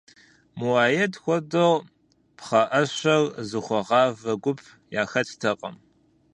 Муаед хуэдэу пхъэӀэщэр зыхуэгъавэ гупым яхэттэкъым.